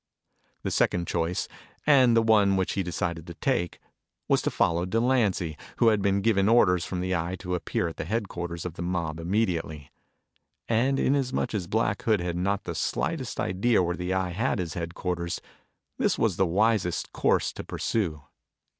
The second choice, and the one which he decided to take, was to follow Delancy who had been given orders from the Eye to appear at the headquarters of the mob immediately. And in as much as Black Hood had not the slightest idea where the Eye had his headquarters, this was the wisest course to pursue.